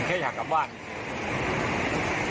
ผมก็แค่อยากมากูแล้ฮะ